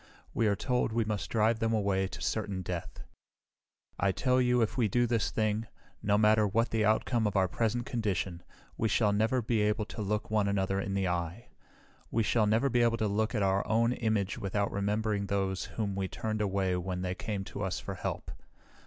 We are told we must drive them away to certain death. "I tell you if we do this thing, no matter what the outcome of our present condition, we shall never be able to look one another in the eye. We shall never be able to look at our own image without remembering those whom we turned away when they came to us for help.